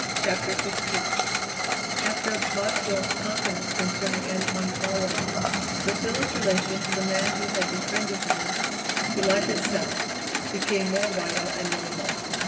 CHAPTER XV After Boswell's confidence concerning Anton Farwell, Priscilla's relation to the man who had befriended her, to life itself, became more vital and normal.